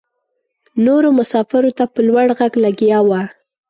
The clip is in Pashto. نورو مساپرو ته په لوړ غږ لګیا وه.